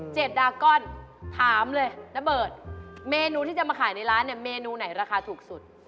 ดาก้อนถามเลยน้าเบิร์ตเมนูที่จะมาขายในร้านเนี่ยเมนูไหนราคาถูกสุด